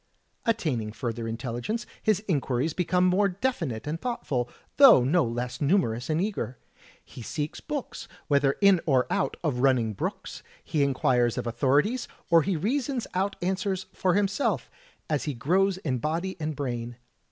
Attaining further intelligence, his inquiries become more definite and thoughtful, though no less nimierous and eager. He seeks books, whether in or out of running brooks; he inquires of authorities, or he reasons out answers for himself, as he grows in body and brain.